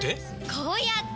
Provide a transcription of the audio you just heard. こうやって！